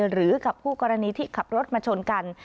หรือกับคู่กรณีที่ขับรถมาชนกัน